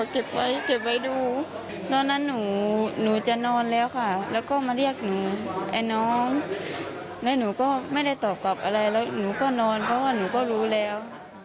แล้วหนูก็ไม่ได้ตอบกลับอะไรแล้วหนูก็นอนเพราะว่าหนูก็รู้แล้ว